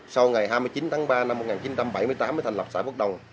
sau ngày hai mươi chín tháng ba năm một nghìn chín trăm bảy mươi tám mới thành lập xã bước đầu